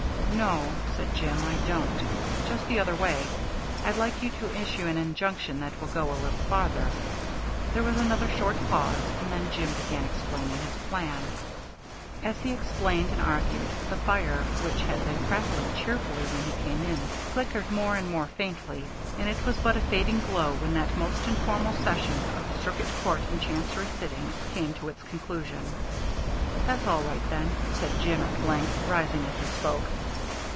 "No," said Jim. "I don't. Just the other way. I'd like you to issue an injunction that will go a little farther." There was another short pause, and then Jim began explaining his plan. As he explained and argued, the fire, which had been crackling cheerfully when he came in, flickered more and more faintly, and it was but a fading glow when that most informal session of the Circuit Court in chancery sitting came to its conclusion. "That's all right, then," said Jim at length, rising as he spoke.